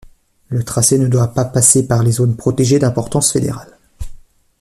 Le tracé ne doit pas passer par les zones protégées d'importance fédérale.